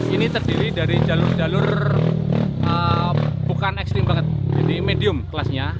ini terdiri dari jalur jalur bukan ekstrim banget jadi medium kelasnya